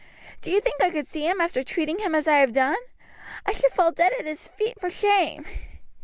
Do you think I could see him after treating him as I have done? I should fall dead at his feet for shame."